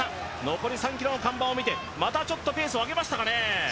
残り３ｋｍの看板を見て、また少しペースを上げましたかね？